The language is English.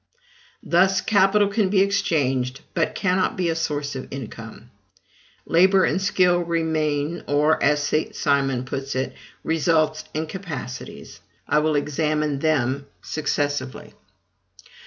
Thus, capital can be exchanged, but cannot be a source of income. LABOR and SKILL remain; or, as St. Simon puts it, RESULTS and CAPACITIES. I will examine them successively.